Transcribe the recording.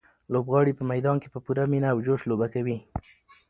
لوبغاړي په میدان کې په پوره مینه او جوش لوبه کوي.